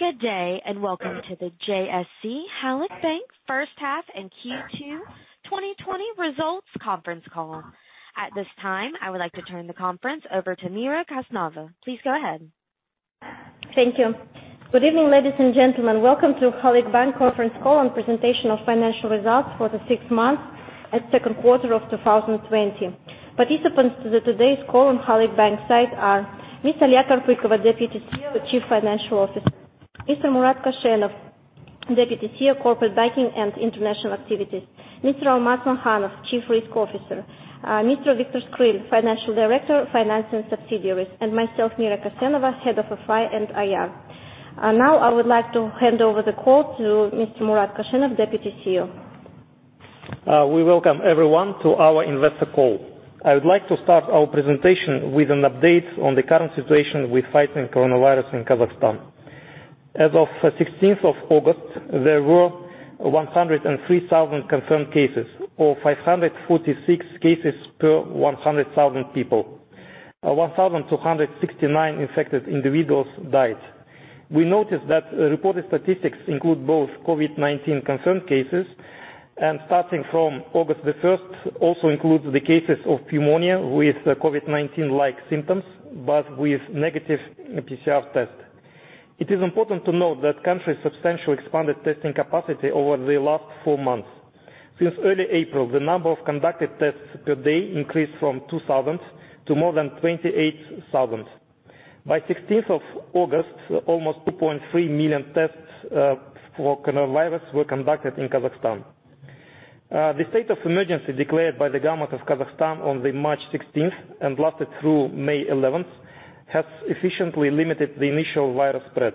Good day, welcome to the JSC Halyk Bank first half and Q2 2020 results conference call. At this time, I would like to turn the conference over to Mira Kassenova. Please go ahead. Thank you. Good evening, ladies and gentlemen. Welcome to Halyk Bank conference call and presentation of financial results for the six months and second quarter of 2020. Participants to today's call on Halyk Bank side are Ms. Aliya Karpykova, Deputy CEO, Chief Financial Officer; Mr. Murat Koshenov, Deputy CEO, Corporate Banking and International Activities; Mr. Almas Makhanov, Chief Risk Officer; Mr. Viktor Skryl, Financial Director, Finance and Subsidiaries; and myself, Mira Kassenova, Head of FI and IR. I would like to hand over the call to Mr. Murat Koshenov, Deputy CEO. We welcome everyone to our investor call. I would like to start our presentation with an update on the current situation with fighting coronavirus in Kazakhstan. As of 16th of August, there were 103,000 confirmed cases, or 546 cases per 100,000 people. 1,269 infected individuals died. We noticed that reported statistics include both COVID-19 confirmed cases and, starting from August the 1st, also includes the cases of pneumonia with COVID-19-like symptoms, but with negative PCR test. It is important to note that country substantially expanded testing capacity over the last four months. Since early April, the number of conducted tests per day increased from 2,000 to more than 28,000. By 16th of August, almost 2.3 million tests for coronavirus were conducted in Kazakhstan. The state of emergency declared by the government of Kazakhstan on the March 16th and lasted through May 11th has efficiently limited the initial virus spread.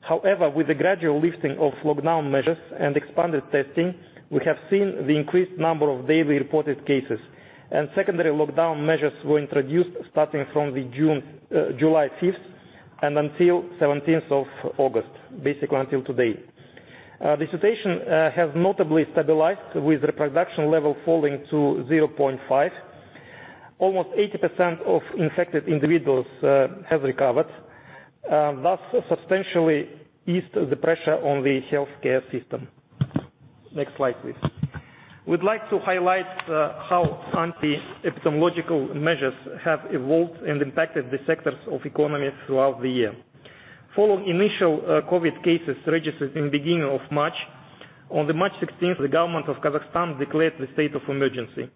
However, with the gradual lifting of lockdown measures and expanded testing, we have seen the increased number of daily reported cases, and secondary lockdown measures were introduced starting from the July 5th and until 17th of August, basically until today. The situation has notably stabilized with reproduction level falling to 0.5. Almost 80% of infected individuals have recovered, thus substantially eased the pressure on the healthcare system. Next slide, please. We'd like to highlight how anti-epidemiological measures have evolved and impacted the sectors of economy throughout the year. Following initial COVID-19 cases registered in beginning of March, on the March 16th, the government of Kazakhstan declared the state of emergency.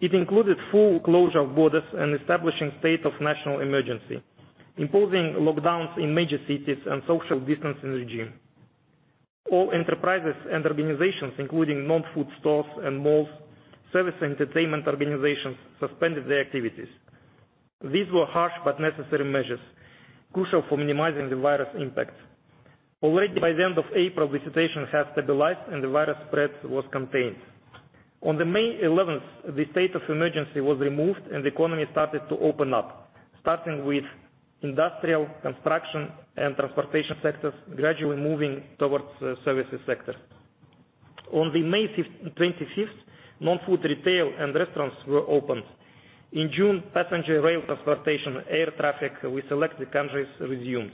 It included full closure of borders and establishing state of national emergency, imposing lockdowns in major cities and social distancing regime. All enterprises and organizations, including non-food stores and malls, service entertainment organizations, suspended their activities. These were harsh but necessary measures, crucial for minimizing the virus impact. Already by the end of April, the situation had stabilized, and the virus spread was contained. On May 11th, the state of emergency was removed, and the economy started to open up, starting with industrial construction and transportation sectors, gradually moving towards services sector. On May 25th, non-food retail and restaurants were opened. In June, passenger rail transportation, air traffic with selected countries resumed.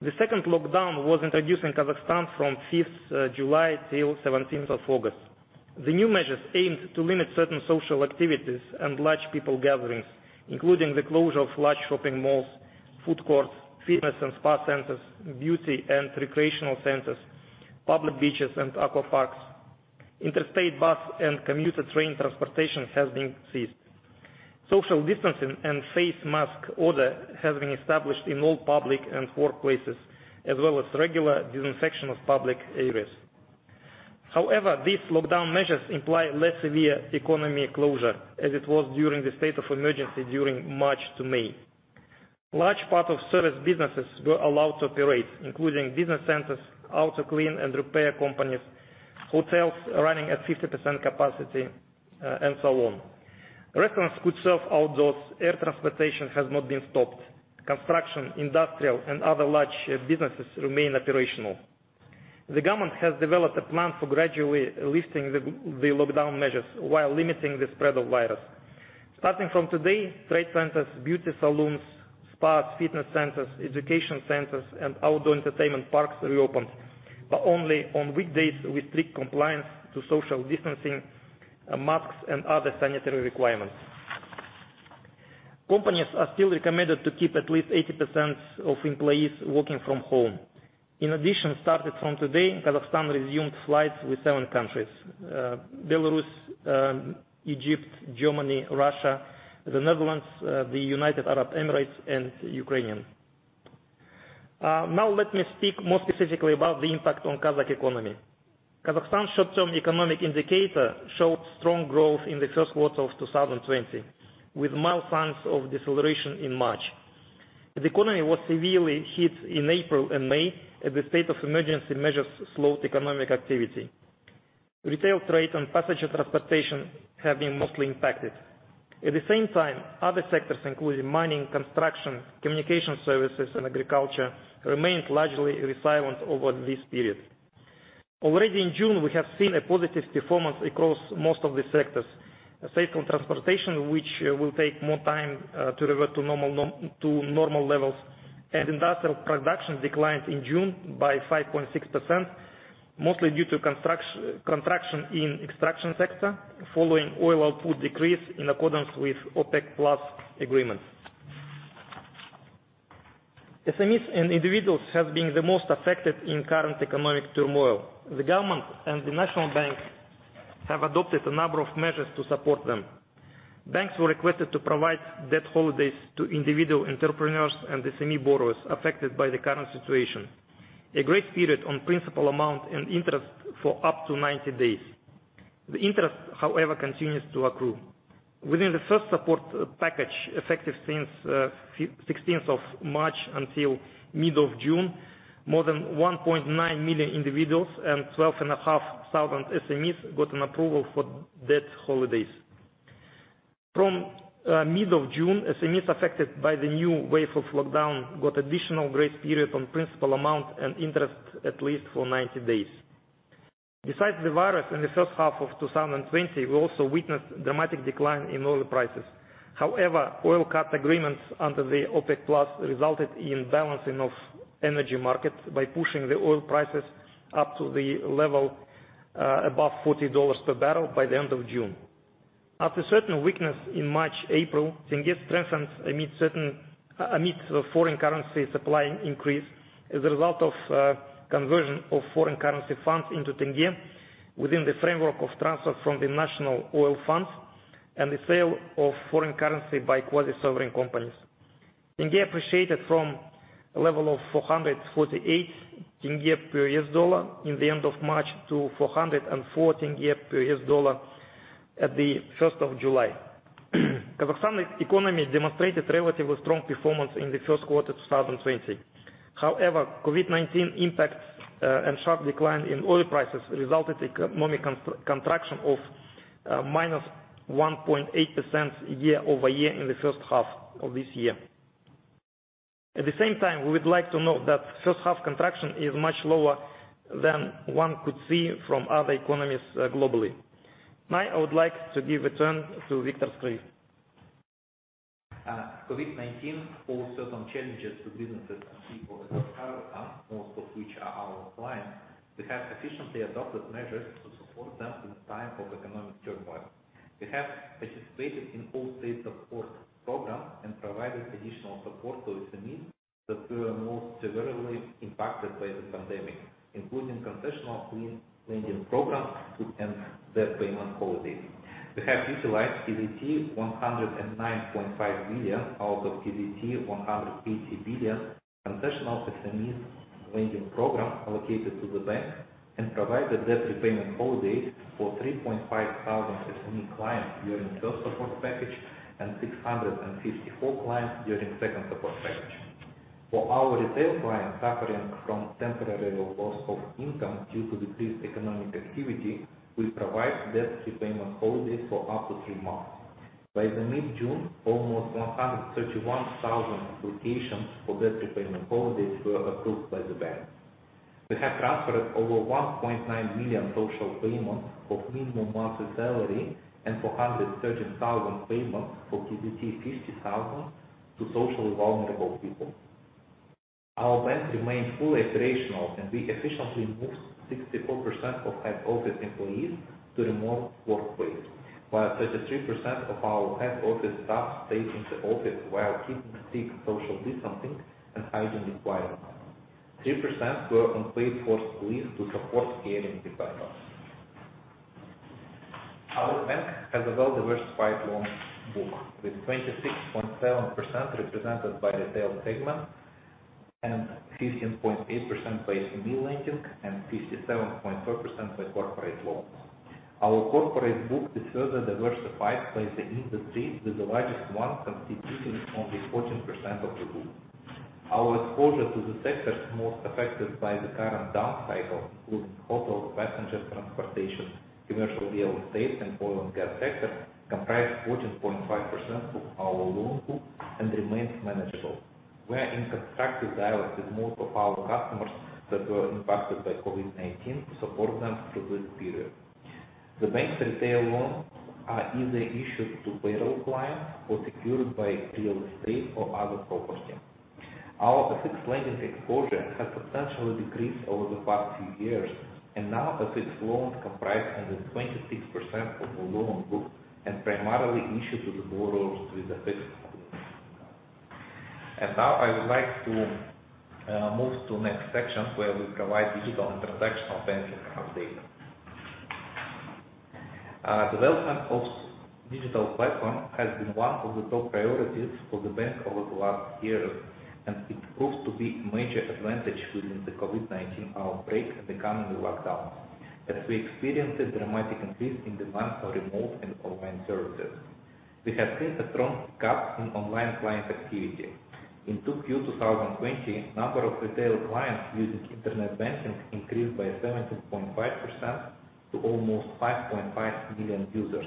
The second lockdown was introduced in Kazakhstan from 5th July till 17th of August. The new measures aimed to limit certain social activities and large people gatherings, including the closure of large shopping malls, food courts, fitness and spa centers, beauty and recreational centers, public beaches and aqua parks. Interstate bus and commuter train transportation has been ceased. Social distancing and face mask order has been established in all public and workplaces, as well as regular disinfection of public areas. These lockdown measures imply less severe economy closure as it was during the state of emergency during March to May. Large part of service businesses were allowed to operate, including business centers, auto clean and repair companies, hotels running at 50% capacity, and so on. Restaurants could serve outdoors. Air transportation has not been stopped. Construction, industrial, and other large businesses remain operational. The government has developed a plan for gradually lifting the lockdown measures while limiting the spread of virus. Starting from today, trade centers, beauty salons, spas, fitness centers, education centers, and outdoor entertainment parks reopened, but only on weekdays with strict compliance to social distancing, masks, and other sanitary requirements. Companies are still recommended to keep at least 80% of employees working from home. In addition, starting from today, Kazakhstan resumed flights with seven countries: Belarus, Egypt, Germany, Russia, the Netherlands, the United Arab Emirates, and Ukraine. Now let me speak more specifically about the impact on Kazakh economy. Kazakhstan's short-term economic indicator showed strong growth in the first quarter of 2020, with mild signs of deceleration in March. The economy was severely hit in April and May as the state of emergency measures slowed economic activity. Retail trade and passenger transportation have been mostly impacted. At the same time, other sectors, including mining, construction, communication services, and agriculture, remained largely resilient over this period. Already in June, we have seen a positive performance across most of the sectors, save for transportation, which will take more time to revert to normal levels. Industrial production declined in June by 5.6%, mostly due to contraction in extraction sector following oil output decrease in accordance with OPEC+ agreement. SMEs and individuals have been the most affected in current economic turmoil. The government and the National Bank have adopted a number of measures to support them. Banks were requested to provide debt holidays to individual entrepreneurs and the SME borrowers affected by the current situation. A grace period on principal amount and interest for up to 90 days. The interest, however, continues to accrue. Within the first support package effective since 16th of March until mid of June, more than 1.9 million individuals and 12,500 SMEs got an approval for debt holidays. From mid of June, SMEs affected by the new wave of lockdown got additional grace period on principal amount and interest at least for 90 days. Besides the virus in the first half of 2020, we also witnessed dramatic decline in oil prices. Oil cut agreements under the OPEC+ resulted in balancing of energy market by pushing the oil prices up to the level above $40 per barrel by the end of June. After certain weakness in March, April, tenge strengthened amid the foreign currency supply increase as a result of conversion of foreign currency funds into tenge within the framework of transfer from the national oil funds and the sale of foreign currency by quasi-sovereign companies. Tenge appreciated from a level of KZT 448 per US dollar in the end of March to KZT 414 per US dollar at the 1st of July. Kazakhstan economy demonstrated relatively strong performance in the first quarter 2020. COVID-19 impacts and sharp decline in oil prices resulted in economic contraction of -1.8% year-over-year in the first half of this year. At the same time, we would like to note that first half contraction is much lower than one could see from other economies globally. Now I would like to give a turn to Viktor Skryl. COVID-19 posed certain challenges to businesses and people in Kazakhstan, most of which are our clients. We have efficiently adopted measures to support them in the time of economic turmoil. We have participated in all state support programs and provided additional support to SMEs that were most severely impacted by the pandemic, including concessional lending programs and debt payment holidays. We have utilized KZT 109.5 billion out of KZT 180 billion concessional SMEs lending program allocated to the bank and provided debt repayment holidays for 3,500 SME clients during first support package and 654 clients during second support package. For our retail clients suffering from temporary loss of income due to decreased economic activity, we provide debt repayment holidays for up to three months. By the mid-June, almost 131,000 applications for debt repayment holidays were approved by the bank. We have transferred over 1,900,000 social payments of minimum monthly salary and 413,000 payments for KZT 50,000 to socially vulnerable people. Our bank remains fully operational. We efficiently moved 64% of head office employees to remote workplace, while 33% of our head office staff stayed in the office while keeping strict social distancing and hygiene requirements. 3% were on paid forced leave to support scaling decisions. Our bank has a well-diversified loan book, with 26.7% represented by retail segment and 15.8% by SME lending and 57.5% by corporate loans. Our corporate book is further diversified by the industry, with the largest one constituting only 14% of the book. Our exposure to the sectors most affected by the current down cycle, including hotel, passenger transportation, commercial real estate, and oil and gas sector, comprise 14.5% of our loan book and remains manageable. We are in constructive dialogue with most of our customers that were impacted by COVID-19 to support them through this period. The bank's retail loans are either issued to payroll clients or secured by real estate or other property. Our FX lending exposure has substantially decreased over the past few years, and now FX loans comprise under 26% of the loan book and primarily issued to the borrowers with a FX income. Now I would like to move to next section, where we provide digital and transactional banking update. Development of digital platform has been one of the top priorities for the bank over the last years, and it proved to be a major advantage within the COVID-19 outbreak and the coming lockdowns, as we experienced a dramatic increase in demand for remote and online services. We have seen a strong pickup in online client activity. In 2Q 2020, number of retail clients using internet banking increased by 17.5% to almost 5.5 million users.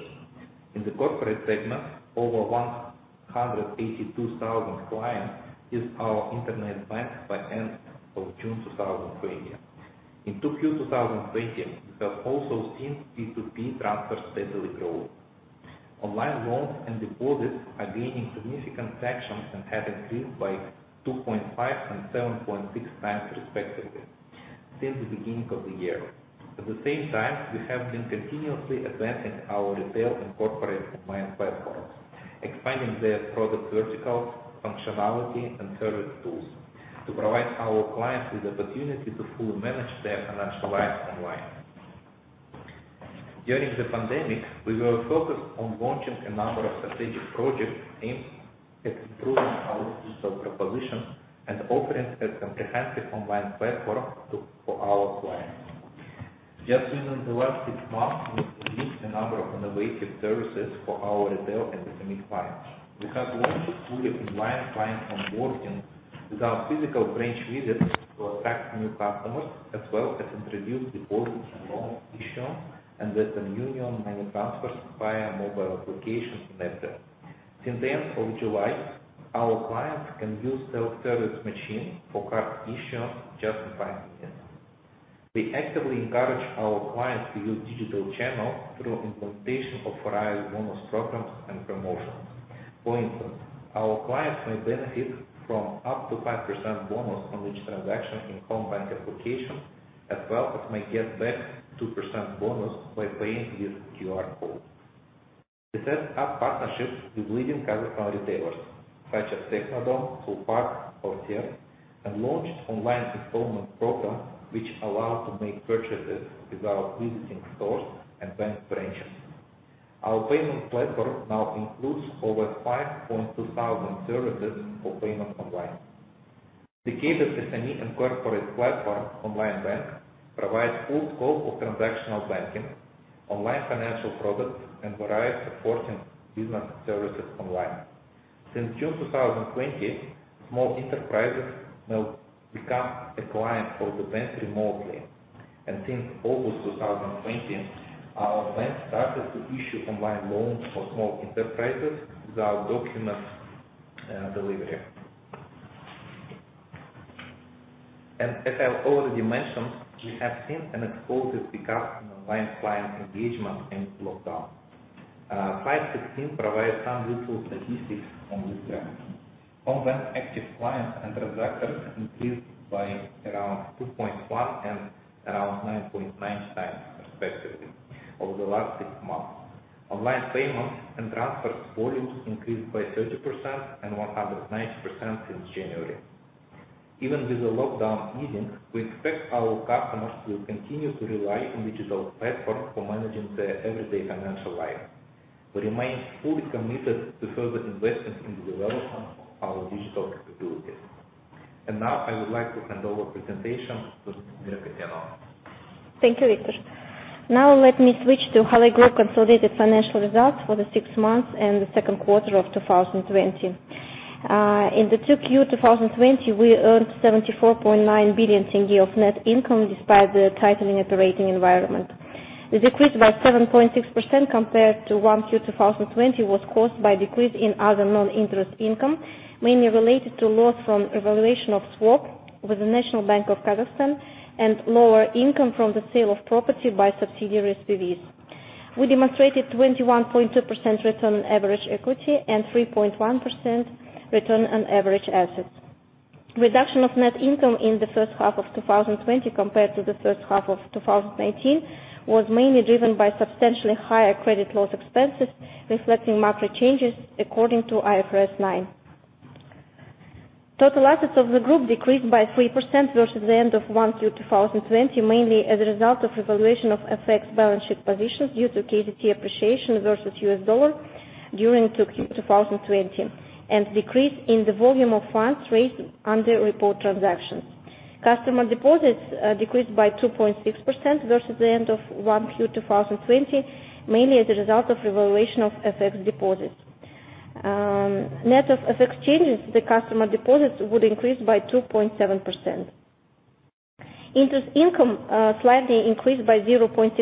In the corporate segment, over 182,000 clients use our internet bank by end of June 2020. In 2Q 2020, we have also seen P2P transfers steadily grow. Online loans and deposits are gaining significant traction and have increased by 2.5x and 7.6x respectively since the beginning of the year. At the same time, we have been continuously advancing our retail and corporate online platforms, expanding their product verticals, functionality, and service tools to provide our clients with the opportunity to fully manage their financial lives online. During the pandemic, we were focused on launching a number of strategic projects aimed at improving our digital proposition and offering a comprehensive online platform for our clients. Just within the last six months, we've released a number of innovative services for our retail and SME clients. We have launched fully online client onboarding without physical branch visits to attract new customers, as well as introduced deposit and loan issuance and Western Union money transfers via mobile applications and ATM. Since the end of July, our clients can use self-service machines for card issuance in just five minutes. We actively encourage our clients to use digital channels through implementation of various bonus programs and promotions. For instance, our clients may benefit from up to 5% bonus on each transaction in Homebank application, as well as may get back 2% bonus by paying with QR code. We set up partnerships with leading Kazakhstan retailers such as Technodom, Sulpak, or Mechta, and launched online installment program, which allow to make purchases without visiting stores and bank branches. Our payment platform now includes over 5,200 services for payment online. The SME and corporate platform Onlinebank provides full scope of transactional banking, online financial products, and variety of supporting business services online. Since June 2020, small enterprises may become a client of the bank remotely, and since August 2020, our bank started to issue online loans for small enterprises without document delivery. As I've already mentioned, we have seen an explosive pickup in online client engagement since lockdown. Slide 16 provides some useful statistics on this trend. Homebank active clients and transactions increased by around 2.1x and around 9.9x respectively over the last six months. Online payments and transfers volumes increased by 30% and 190% since January. Even with the lockdown easing, we expect our customers will continue to rely on digital platform for managing their everyday financial life. We remain fully committed to further investing in the development of our digital capabilities. Now I would like to hand over presentation to Mira Kassenova. Thank you, Viktor. Now let me switch to Halyk Group consolidated financial results for the six months and the second quarter of 2020. In the 2Q 2020, we earned KZT 74.9 billion of net income despite the tightening operating environment. The decrease by 7.6% compared to 1Q 2020 was caused by decrease in other non-interest income, mainly related to loss from revaluation of swap with the National Bank of Kazakhstan and lower income from the sale of property by subsidiary SPVs. We demonstrated 21.2% return on average equity and 3.1% return on average assets. Reduction of net income in the first half of 2020 compared to the first half of 2019 was mainly driven by substantially higher credit loss expenses, reflecting macro changes according to IFRS 9. Total assets of the group decreased by 3% versus the end of 1Q 2020, mainly as a result of revaluation of FX balance sheet positions due to KZT appreciation versus US dollar during 2Q 2020, and decrease in the volume of funds raised under repo transactions. Customer deposits decreased by 2.6% versus the end of 1Q 2020, mainly as a result of revaluation of FX deposits. Net of FX changes, the customer deposits would increase by 2.7%. Interest income slightly increased by 0.6%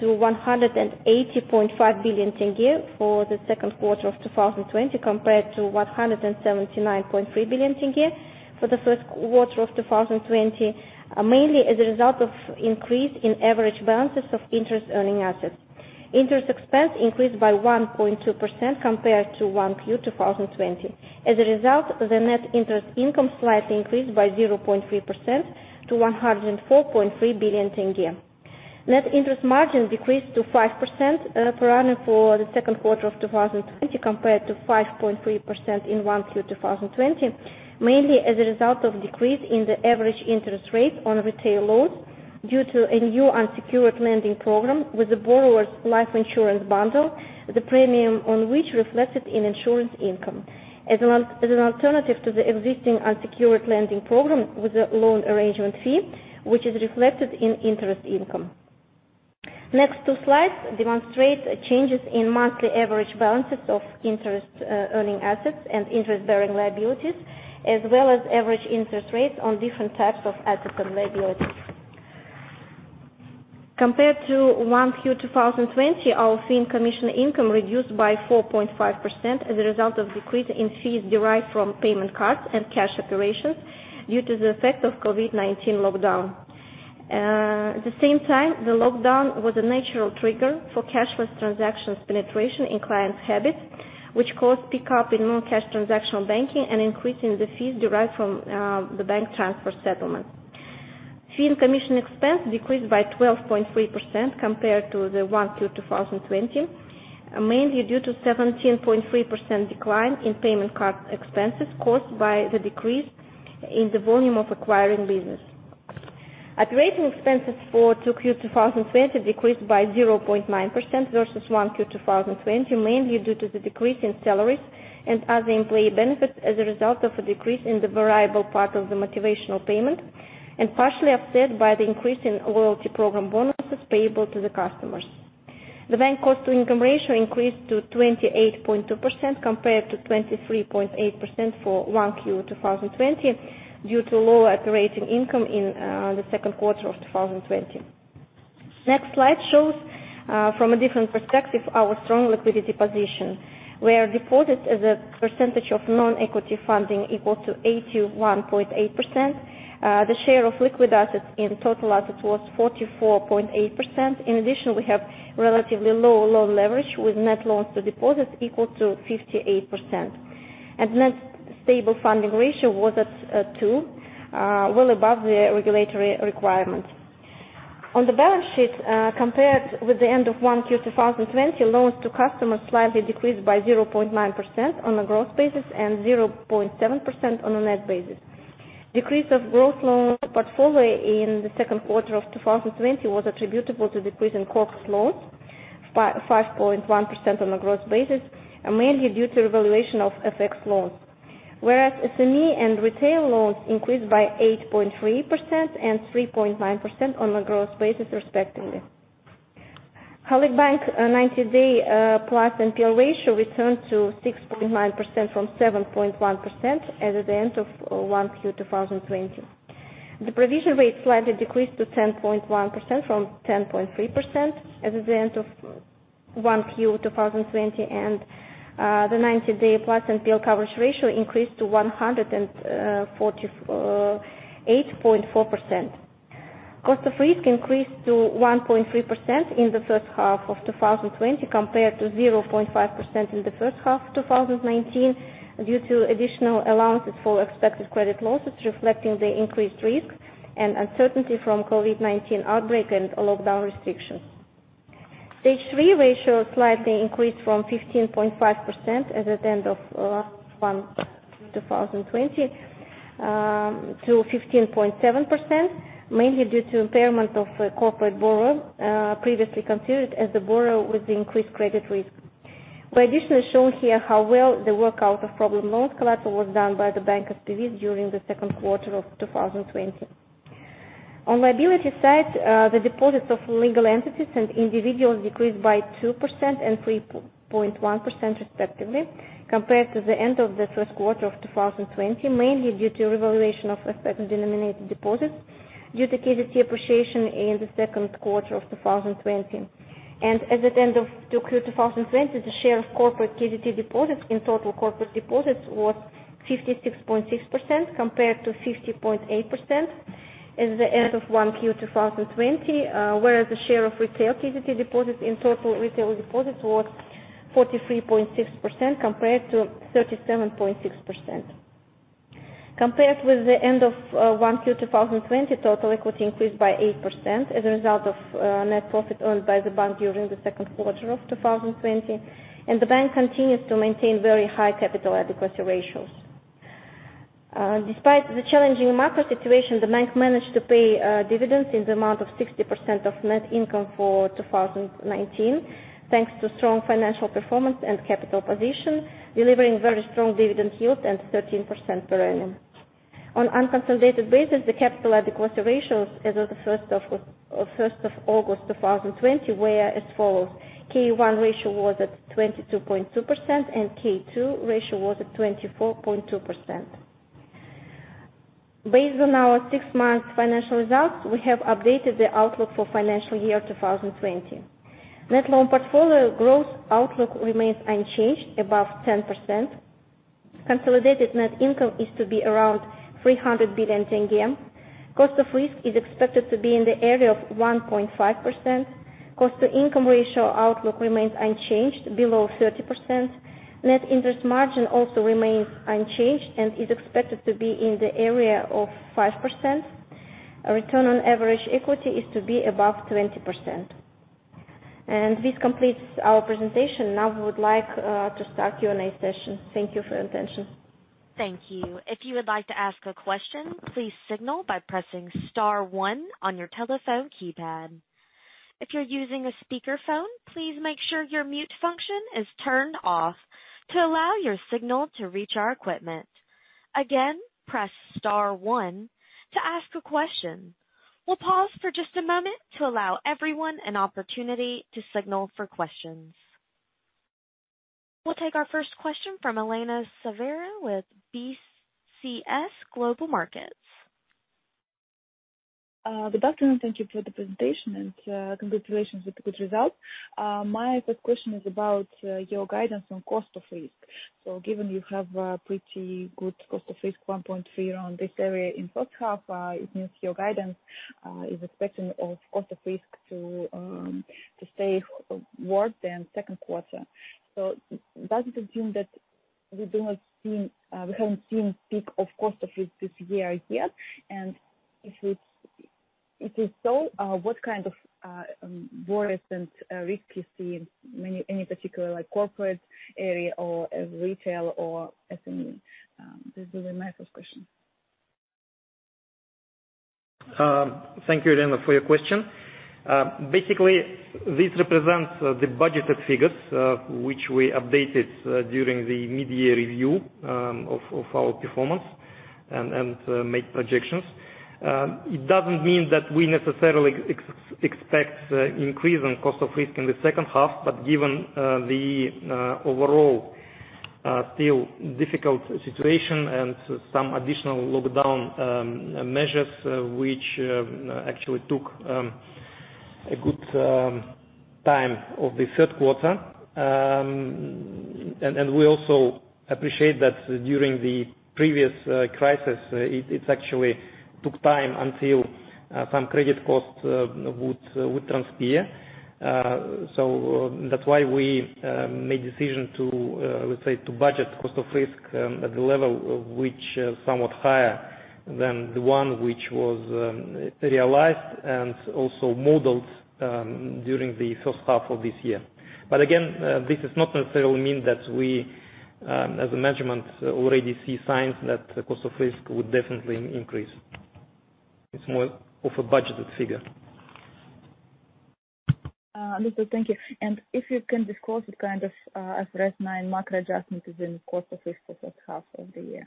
to KZT 180.5 billion for the second quarter of 2020 compared to KZT 179.3 billion for the first quarter of 2020, mainly as a result of increase in average balances of interest earning assets. Interest expense increased by 1.2% compared to 1Q 2020. As a result, the net interest income slightly increased by 0.3% to KZT 104.3 billion. Net interest margin decreased to 5% per annum for the second quarter of 2020 compared to 5.3% in 1Q 2020, mainly as a result of decrease in the average interest rate on retail loans due to a new unsecured lending program with the borrower's life insurance bundle, the premium on which reflected in insurance income. As an alternative to the existing unsecured lending program with a loan arrangement fee, which is reflected in interest income. Next two slides demonstrate changes in monthly average balances of interest earning assets and interest bearing liabilities, as well as average interest rates on different types of assets and liabilities. Compared to 1Q 2020, our fee and commission income reduced by 4.5% as a result of decrease in fees derived from payment cards and cash operations due to the effect of COVID-19 lockdown. At the same time, the lockdown was a natural trigger for cashless transactions penetration in clients habits, which caused pickup in non-cash transactional banking and increase in the fees derived from the bank transfer settlement. Fee and commission expense decreased by 12.3% compared to the 1Q 2020, mainly due to 17.3% decline in payment card expenses caused by the decrease in the volume of acquiring business. Operating expenses for 2Q 2020 decreased by 0.9% versus 1Q 2020, mainly due to the decrease in salaries and other employee benefits as a result of a decrease in the variable part of the motivational payment, and partially offset by the increase in loyalty program bonuses payable to the customers. The bank cost to income ratio increased to 28.2% compared to 23.8% for 1Q 2020 due to lower operating income in the second quarter of 2020. Next slide shows from a different perspective our strong liquidity position, where deposits as a percentage of non-equity funding equal to 81.8%. The share of liquid assets in total assets was 44.8%. In addition, we have relatively low loan leverage with net loans to deposits equal to 58%. Net stable funding ratio was at 2%, well above the regulatory requirements. On the balance sheet, compared with the end of 1Q 2020, loans to customers slightly decreased by 0.9% on a gross basis and 0.7% on a net basis. Decrease of gross loans portfolio in the second quarter of 2020 was attributable to decrease in corporate loans, 5.1% on a gross basis, mainly due to revaluation of FX loans. Whereas SME and retail loans increased by 8.3% and 3.9% on a gross basis respectively. Halyk Bank 90 day plus NPL ratio returned to 6.9% from 7.1% at the end of 1Q 2020. The provision rate slightly decreased to 10.1% from 10.3% at the end of 1Q 2020, and the 90 day plus NPL coverage ratio increased to 148.4%. Cost of risk increased to 1.3% in the first half of 2020 compared to 0.5% in the first half of 2019, due to additional allowances for expected credit losses reflecting the increased risk and uncertainty from COVID-19 outbreak and lockdown restrictions. Stage three ratio slightly increased from 15.5% as at the end of 1Q 2020 to 15.7%, mainly due to impairment of a corporate borrower previously considered as the borrower with increased credit risk. We additionally shown here how well the workout of problem loans collateral was done by the Bank's SPV during the second quarter of 2020. On liability side, the deposits of legal entities and individuals decreased by 2% and 3.1% respectively, compared to the end of the first quarter of 2020, mainly due to revaluation of FX-denominated deposits due to KZT appreciation in the second quarter of 2020. As at the end of 2Q 2020, the share of corporate KZT deposits in total corporate deposits was 56.6%, compared to 50.8% as the end of 1Q 2020. Whereas the share of retail KZT deposits in total retail deposits was 43.6%, compared to 37.6%. Compared with the end of 1Q 2020, total equity increased by 8% as a result of net profit earned by the bank during the second quarter of 2020, the bank continues to maintain very high capital adequacy ratios. Despite the challenging market situation, the bank managed to pay dividends in the amount of 60% of net income for 2019, thanks to strong financial performance and capital position, delivering very strong dividend yield at 13% per annum. On unconsolidated basis, the capital adequacy ratios as of the 1st of August 2020 were as follows: K1 ratio was at 22.2% and K2 ratio was at 24.2%. Based on our six-month financial results, we have updated the outlook for financial year 2020. Net loan portfolio growth outlook remains unchanged above 10%. Consolidated net income is to be around KZT 300 billion. Cost of risk is expected to be in the area of 1.5%. Cost to income ratio outlook remains unchanged below 30%. Net interest margin also remains unchanged and is expected to be in the area of 5%. Return on average equity is to be above 20%. This completes our presentation. Now we would like to start Q&A session. Thank you for your attention. Thank you. If you would like to ask a question please signal by pressing star one on your telephone keypad. If you're using a speakerphone, please make sure your mute function is turned off to allow your signal to reach our equipment. Again press star one to ask a question. We'll pause for just a moment to allow everyone an opportunity to signal for questions. We'll take our first question from Elena Tsareva with BCS Global Markets. Good afternoon. Thank you for the presentation, and congratulations with the good result. My first question is about your guidance on cost of risk. Given you have a pretty good cost of risk, 1.3 around this area in first half, it means your guidance is expecting of cost of risk to stay worse than second quarter. Does it assume that we haven't seen peak of cost of risk this year yet? If it is so, what kind of worries and risk you see, any particular corporate area or retail or SME? This will be my first question. Thank you, Elena, for your question. Basically, this represents the budgeted figures, which we updated during the mid-year review of our performance and made projections. It doesn't mean that we necessarily expect increase on cost of risk in the second half, but given the overall still difficult situation and some additional lockdown measures, which actually took a good time of the third quarter. We also appreciate that during the previous crisis, it actually took time until some credit costs would transpire. That's why we made decision, let's say, to budget cost of risk at the level of which somewhat higher than the one which was realized and also modeled during the first half of this year. Again, this does not necessarily mean that we, as a management, already see signs that cost of risk would definitely increase. It's more of a budgeted figure. Understood. Thank you. If you can disclose what kind of IFRS 9 macro adjustment is in cost of risk for first half of the year.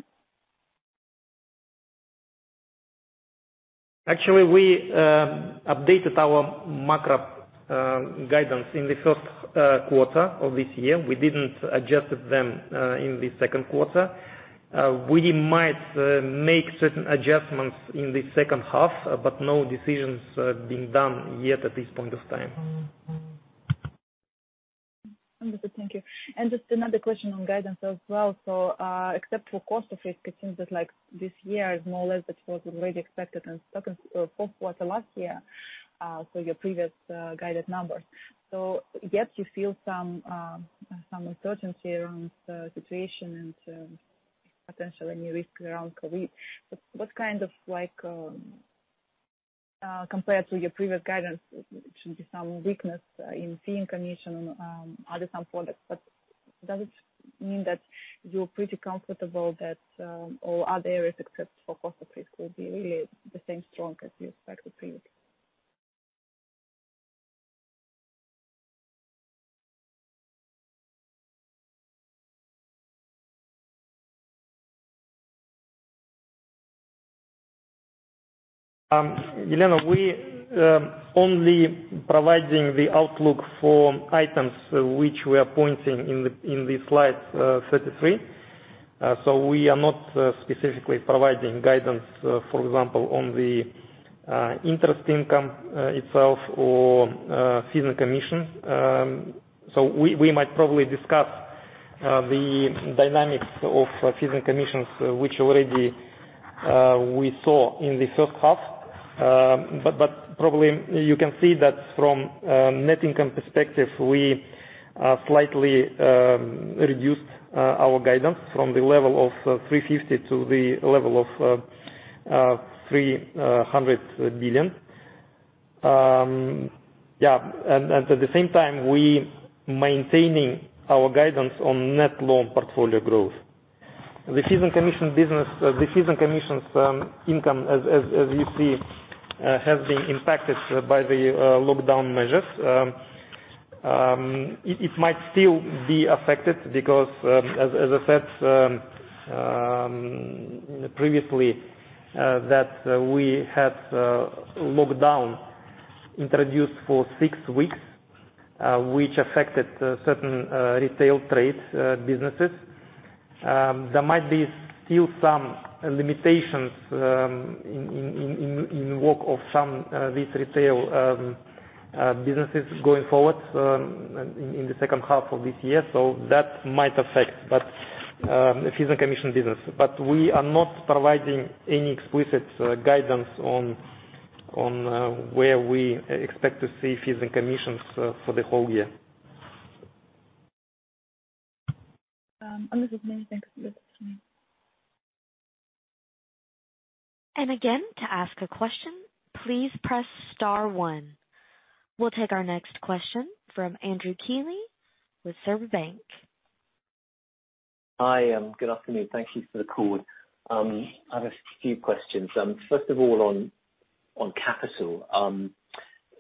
Actually, we updated our macro guidance in the first quarter of this year. We didn't adjust them in the second quarter. We might make certain adjustments in the second half, but no decisions have been done yet at this point of time. Understood. Thank you. Just another question on guidance as well. Except for cost of risk, it seems that this year is more or less that was already expected in fourth quarter last year, for your previous guided numbers. Yes, you feel some uncertainty around the situation and potential any risk around COVID, but what kind of compared to your previous guidance, should be some weakness in fee and commission on other some products, but does it mean that you're pretty comfortable that all other areas except for cost of risk will be really the same strong as you expected previously? Elena, we only providing the outlook for items which we are pointing in the slide 33. We are not specifically providing guidance, for example, on the interest income itself or fees and commissions. We might probably discuss the dynamics of fees and commissions, which already we saw in the first half. Probably you can see that from net income perspective, we slightly reduced our guidance from the level of KZT 350 billion to the level of KZT 300 billion. Yeah, at the same time, we maintaining our guidance on net loan portfolio growth. The fees and commissions income, as you see, has been impacted by the lockdown measures. It might still be affected because, as I said previously, that we had lockdown introduced for six weeks, which affected certain retail trade businesses. There might be still some limitations in work of some these retail businesses going forward in the second half of this year, so that might affect fees and commission business. We are not providing any explicit guidance on where we expect to see fees and commissions for the whole year. Understood. Thank you. Again, to ask a question, please press star one. We'll take our next question from Andrew Keeley with Sberbank. Hi, good afternoon. Thank you for the call. I have a few questions. First of all on capital.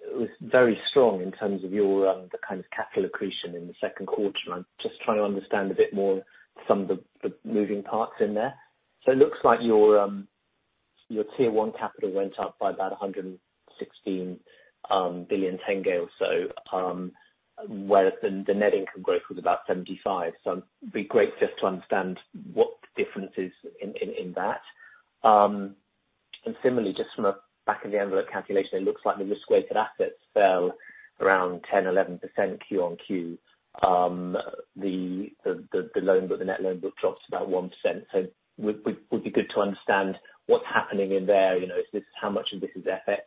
It was very strong in terms of the kind of capital accretion in the second quarter, and I'm just trying to understand a bit more some of the moving parts in there. It looks like tier 1 capital went up by about KZT 116 billion or so, whereas the net income growth was about KZT 75 billion. It'd be great just to understand what the difference is in that. Similarly, just from a back of the envelope calculation, it looks like the risk-weighted assets fell around 10%, 11% Q-on-Q. The net loan book dropped about 1%. It would be good to understand what's happening in there. How much of this is FX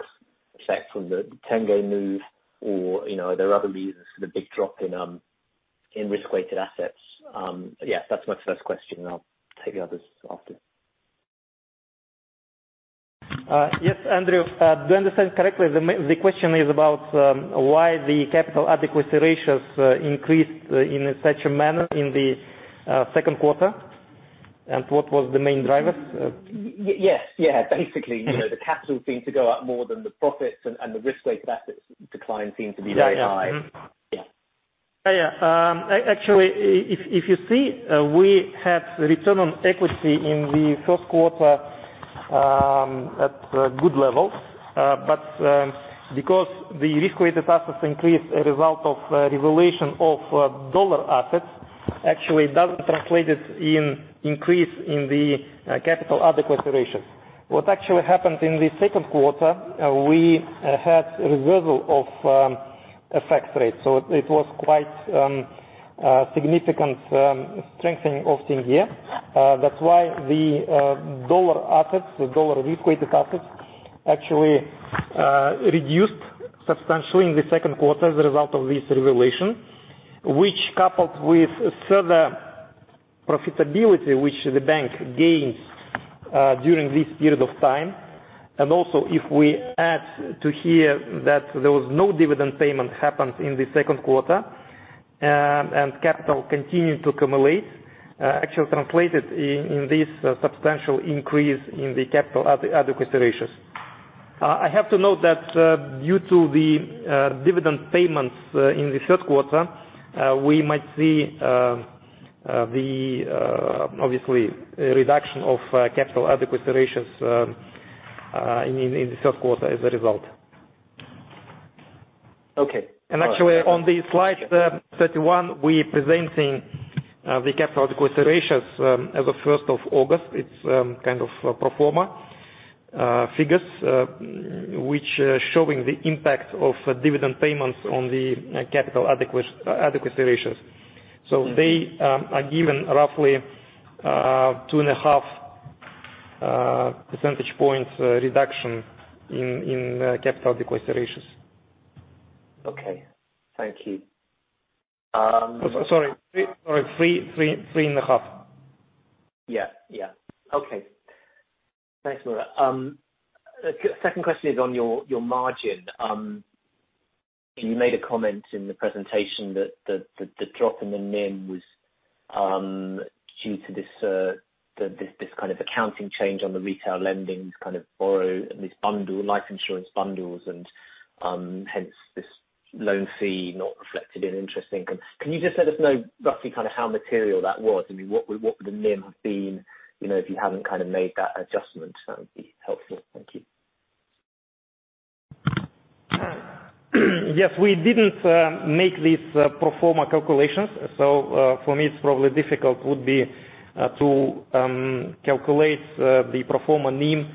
effect from the tenge move, or are there other reasons for the big drop in risk-weighted assets? Yeah, that's my first question. I'll take the others after. Yes, Andrew. Do I understand correctly, the question is about why the capital adequacy ratios increased in such a manner in the second quarter, and what was the main drivers? Yes. Basically, the capital seemed to go up more than the profits, and the risk-weighted assets decline seemed to be very high. Yeah. Actually, if you see, we had return on equity in the first quarter at good levels. Because the risk-weighted assets increased a result of revaluation of dollar assets, actually it doesn't translate in increase in the capital adequacy ratios. What actually happened in the second quarter, we had reversal of FX rates. It was quite a significant strengthening of tenge. That's why the dollar risk-weighted assets actually reduced substantially in the second quarter as a result of this revaluation, which coupled with further profitability, which the bank gained during this period of time. If we add to here that there was no dividend payment happened in the second quarter, and capital continued to accumulate, actually translated in this substantial increase in the capital adequacy ratios. I have to note that due to the dividend payments in the third quarter, we might see the, obviously, reduction of capital adequacy ratios in the third quarter as a result. Okay. Actually, on the slide 31, we're presenting the capital adequacy ratios as of 1st of August. It's kind of pro forma figures, which are showing the impact of dividend payments on the capital adequacy ratios. They are given roughly two and a half percentage points reduction in capital adequacy ratios. Okay. Thank you. Sorry, three and a half. Okay. Thanks, Murat. Second question is on your margin. You made a comment in the presentation that the drop in the NIM was due to this kind of accounting change on the retail lending, this bundle, life insurance bundles, and hence this loan fee not reflected in interest income. Can you just let us know roughly how material that was? I mean, what would the NIM have been if you haven't made that adjustment? That would be helpful. Thank you. Yes. We didn't make these pro forma calculations. For me, it's probably difficult would be to calculate the pro forma NIM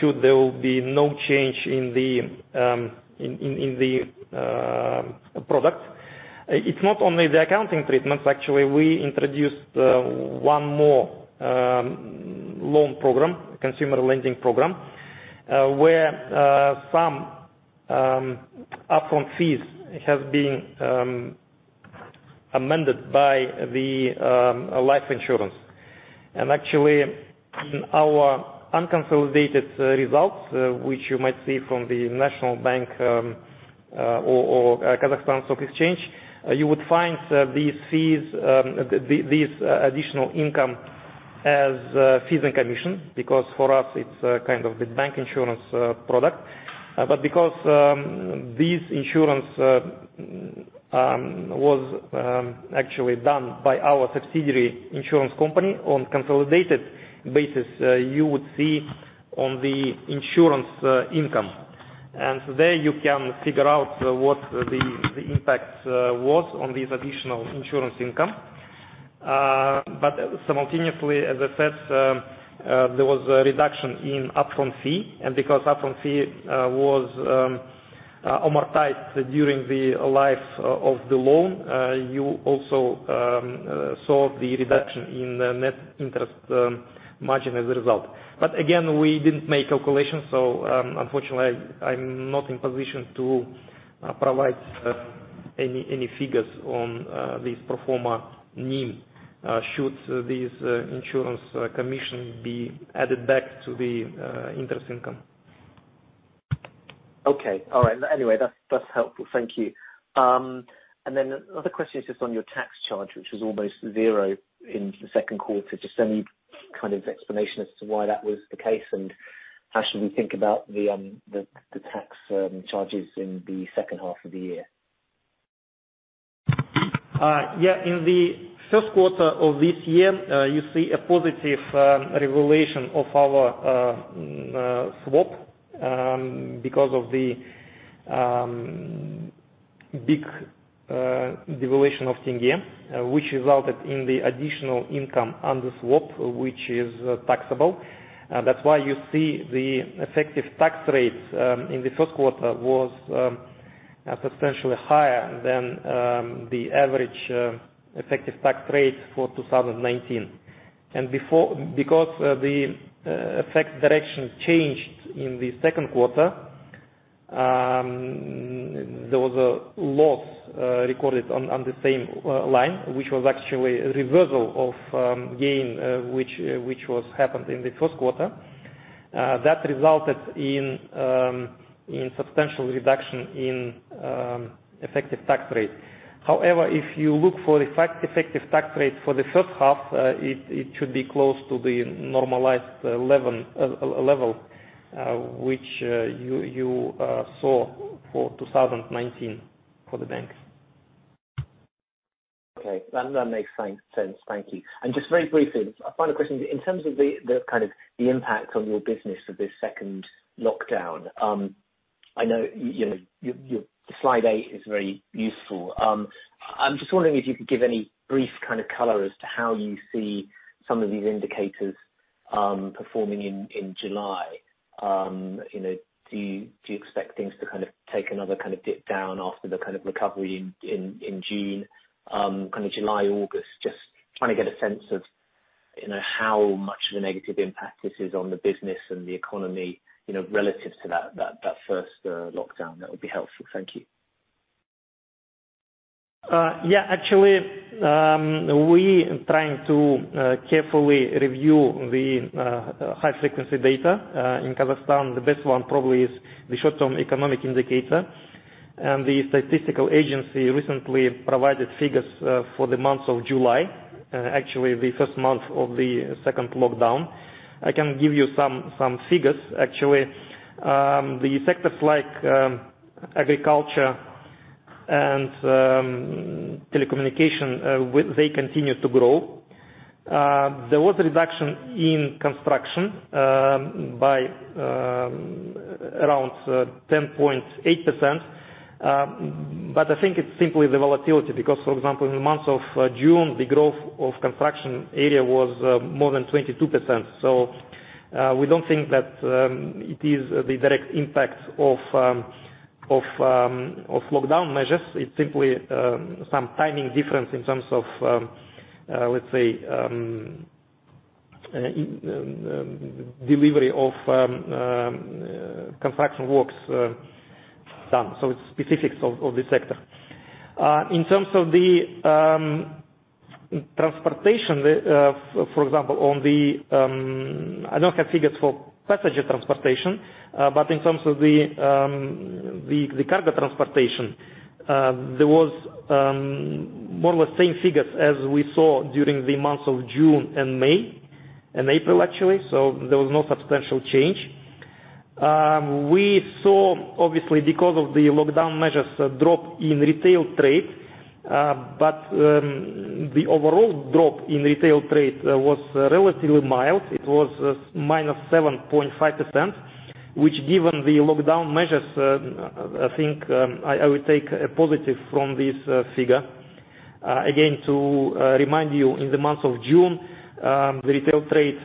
should there will be no change in the product. It's not only the accounting treatments. Actually, we introduced one more loan program, consumer lending program, where some upfront fees have been amended by the life insurance. Actually, in our unconsolidated results, which you might see from the National Bank or Kazakhstan Stock Exchange, you would find these additional income as fees and commission, because for us it's kind of the bank insurance product. Because this insurance was actually done by our subsidiary insurance company on consolidated basis, you would see on the insurance income. There you can figure out what the impact was on this additional insurance income. Simultaneously, as I said, there was a reduction in upfront fee. Because upfront fee was amortized during the life of the loan, you also saw the reduction in the net interest margin as a result. Again, we didn't make calculations, so unfortunately, I'm not in position to provide any figures on this pro forma NIM should this insurance commission be added back to the interest income. Okay. All right. Anyway, that's helpful. Thank you. Another question is just on your tax charge, which was almost zero in the second quarter. Any kind of explanation as to why that was the case, and how should we think about the tax charges in the second half of the year? Yeah. In the first quarter of this year, you see a positive revaluation of our swap because of the big devaluation of tenge, which resulted in the additional income on the swap, which is taxable. That's why you see the effective tax rate in the first quarter was substantially higher than the average effective tax rate for 2019. Because the effect direction changed in the second quarter, there was a loss recorded on the same line, which was actually a reversal of gain, which happened in the first quarter. That resulted in substantial reduction in effective tax rate. However, if you look for effective tax rate for the first half, it should be close to the normalized level, which you saw for 2019 for the bank. Okay. That makes sense. Thank you. Just very briefly, a final question. In terms of the impact on your business of this second lockdown, I know slide eight is very useful. I'm just wondering if you could give any brief color as to how you see some of these indicators performing in July. Do you expect things to take another dip down after the recovery in June? July, August, just trying to get a sense of how much of a negative impact this is on the business and the economy relative to that first lockdown. That would be helpful. Thank you. Yeah. Actually, we trying to carefully review the high frequency data. In Kazakhstan, the best one probably is the short-term economic indicator. The statistical agency recently provided figures for the month of July, actually the first month of the second lockdown. I can give you some figures, actually. The sectors like agriculture and telecommunication, they continue to grow. There was a reduction in construction by around 10.8%, but I think it's simply the volatility because, for example, in the month of June, the growth of construction area was more than 22%. We don't think that it is the direct impact of lockdown measures. It's simply some timing difference in terms of, let's say, delivery of construction works done. It's specifics of the sector. In terms of the transportation, for example, I don't have figures for passenger transportation. In terms of the cargo transportation, there was more or less same figures as we saw during the months of June and May, and April, actually. There was no substantial change. We saw, obviously because of the lockdown measures, a drop in retail trade, but the overall drop in retail trade was relatively mild. It was -7.5%, which given the lockdown measures, I think I would take a positive from this figure. Again, to remind you, in the month of June, the retail trade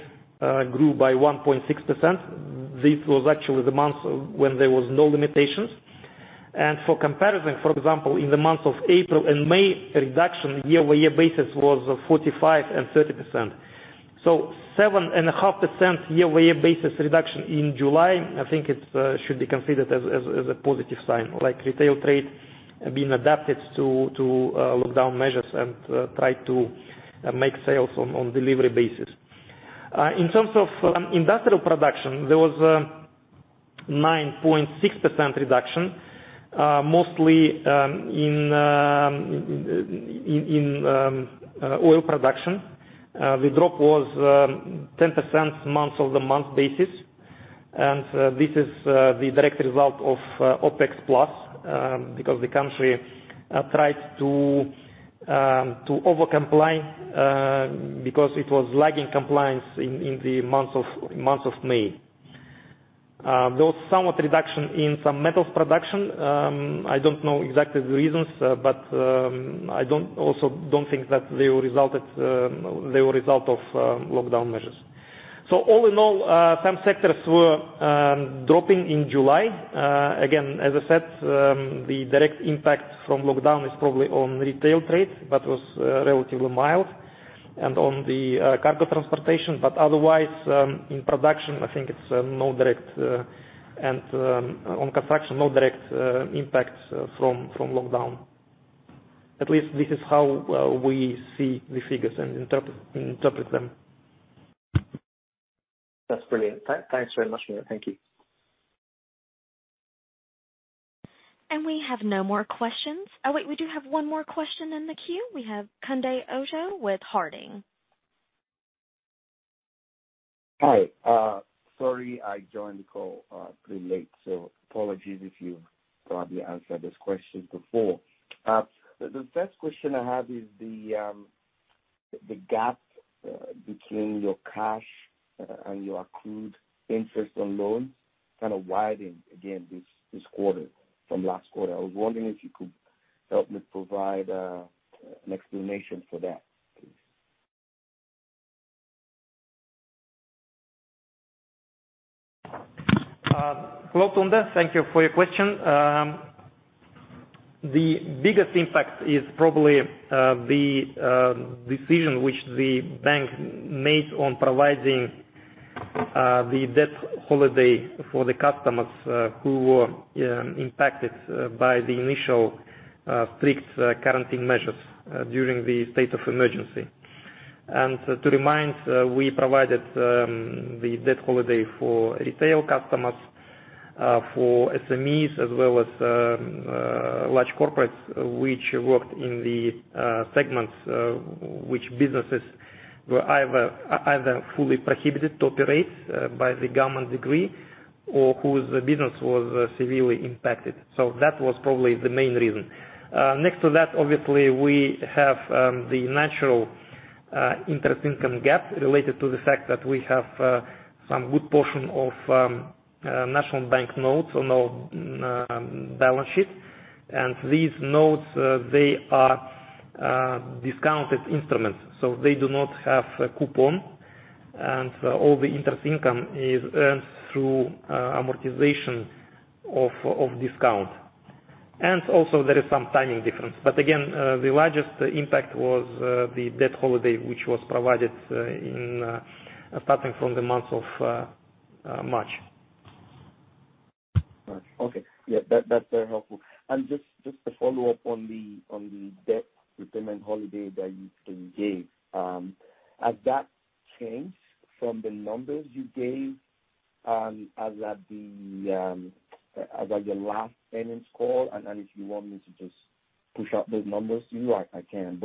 grew by 1.6%. This was actually the month when there was no limitations. For comparison, for example, in the month of April and May, reduction year-over-year basis was 45% and 30%. 7.5% year-over-year basis reduction in July, I think it should be considered as a positive sign, like retail trade being adapted to lockdown measures and try to make sales on delivery basis. In terms of industrial production, there was 9.6% reduction, mostly in oil production. The drop was 10% month-over-month basis. This is the direct result of OPEC+ because the country tried to overcomply because it was lagging compliance in the month of May. There was somewhat reduction in some metals production. I don't know exactly the reasons, but I also don't think that they were result of lockdown measures. All in all, some sectors were dropping in July. Again, as I said, the direct impact from lockdown is probably on retail trade, but was relatively mild and on the cargo transportation. Otherwise, in production, I think it's no direct and on construction, no direct impact from lockdown. At least this is how we see the figures and interpret them. That's brilliant. Thanks very much, Murat. Thank you. We have no more questions. Oh, wait, we do have one more question in the queue. We have Tunde Ojo with Harding. Hi. Sorry, I joined the call pretty late, so apologies if you've probably answered this question before. The first question I have is the gap between your cash and your accrued interest on loans kind of widened again this quarter from last quarter. I was wondering if you could help me provide an explanation for that, please. Hello, Tunde. Thank you for your question. The biggest impact is probably the decision which the bank made on providing the debt holiday for the customers who were impacted by the initial strict quarantine measures during the state of emergency. To remind, we provided the debt holiday for retail customers, for SMEs, as well as large corporates, which worked in the segments which businesses were either fully prohibited to operate by the government decree or whose business was severely impacted. That was probably the main reason. Next to that, obviously, we have the natural interest income gap related to the fact that we have some good portion of national bank notes on our balance sheet. These notes, they are discounted instruments, they do not have a coupon. All the interest income is earned through amortization of discount. Also there is some timing difference. Again, the largest impact was the debt holiday, which was provided starting from the month of March. Okay. Yeah, that's very helpful. Just to follow up on the debt repayment holiday that you gave. Has that changed from the numbers you gave as at your last earnings call? If you want me to just push up those numbers to you, I can.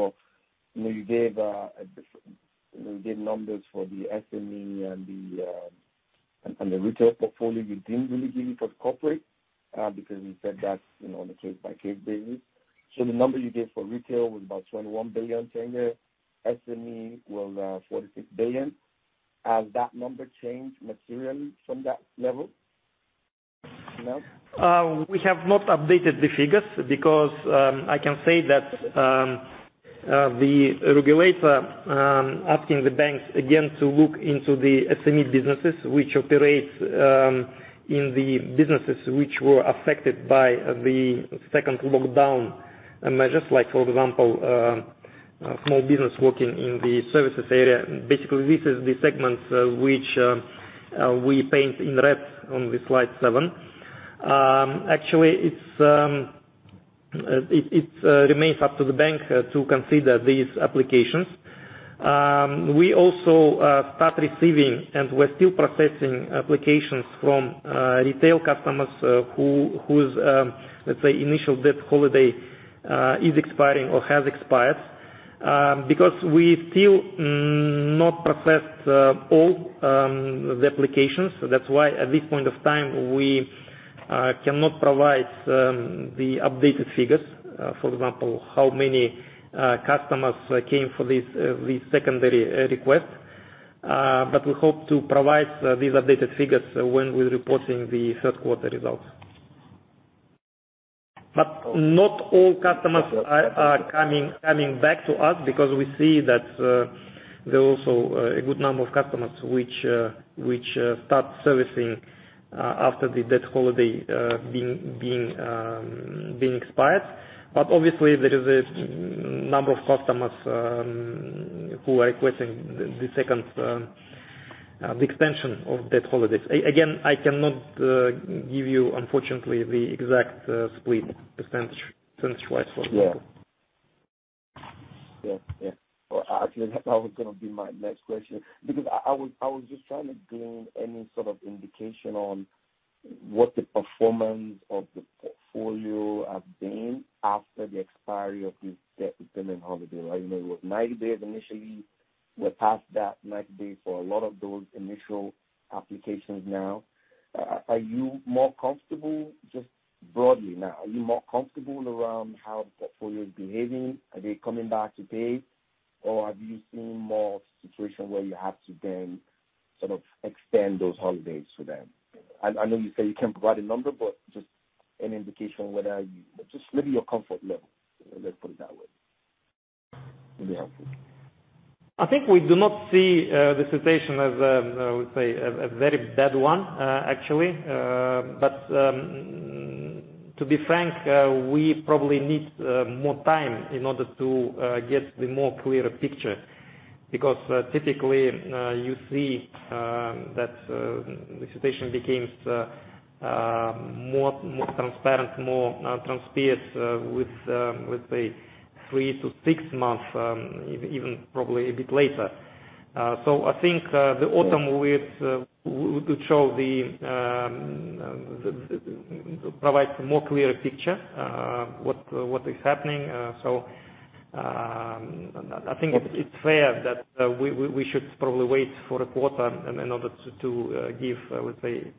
You gave numbers for the SME and the retail portfolio. You didn't really give it for the corporate, because you said that's on a case-by-case basis. The number you gave for retail was about KZT 21 billion, SME was KZT 46 billion. Has that number changed materially from that level? No? We have not updated the figures, because I can say that the regulator asking the banks again to look into the SME businesses, which operate in the businesses which were affected by the second lockdown measures, like for example, small business working in the services area. Basically, this is the segment which we paint in red on the slide seven. Actually, it remains up to the bank to consider these applications. We also start receiving, and we're still processing applications from retail customers whose, let's say, initial debt holiday is expiring or has expired, because we still not processed all the applications. That's why at this point of time, we cannot provide the updated figures. For example, how many customers came for this secondary request. We hope to provide these updated figures when we're reporting the third quarter results. Not all customers are coming back to us, because we see that there are also a good number of customers which start servicing after the debt holiday being expired. Obviously, there is a number of customers who are requesting the extension of debt holidays. Again, I cannot give you, unfortunately, the exact split percentage sense for it. Yeah. Well, actually, that was going to be my next question, because I was just trying to gain any sort of indication on what the performance of the portfolio has been after the expiry of this debt repayment holiday. It was 90 days initially. We're past that 90 days for a lot of those initial applications now. Just broadly now, are you more comfortable around how the portfolio is behaving? Are they coming back to pay? Have you seen more situation where you have to then sort of extend those holidays to them? I know you said you can't provide a number, but just an indication whether Just maybe your comfort level, let's put it that way. Would be helpful. I think we do not see the situation as, I would say, a very bad one, actually. To be frank, we probably need more time in order to get the clearer picture. Typically, you see that the situation becomes more transparent with, let's say, three to six months, even probably a bit later. I think the autumn will provide clearer picture what is happening. I think it's fair that we should probably wait for a quarter in order to give, let's say,